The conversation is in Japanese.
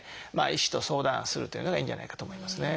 医師と相談するっていうのがいいんじゃないかなと思いますね。